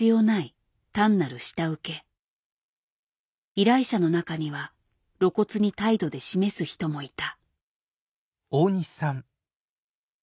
依頼者の中には露骨に態度で示す人もいた。